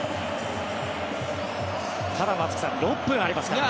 ただ、松木さん６分ありますから。